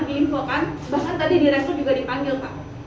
diinfokan bahkan tadi direktur juga dipanggil pak